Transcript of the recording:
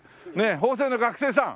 法政の学生さん？